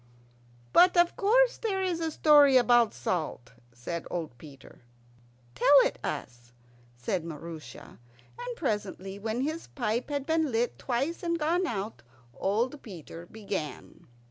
"But of course there is a story about salt," said old Peter. "Tell it us," said Maroosia; and presently, when his pipe had been lit twice and gone out, old Peter began.